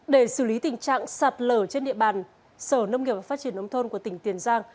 để xử lý tình trạng sạt lở trên địa bàn sở nông nghiệp và phát triển nông thôn của tỉnh tiền giang